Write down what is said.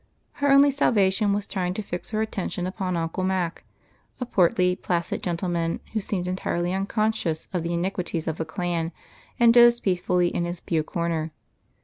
Her only salvation was trying to fix her attention upon Uncle Mac, — a portly, placid gentleman, who seemed entirely unconscious of the iniquities of the Clan, and dozed peacefully in his pew corner.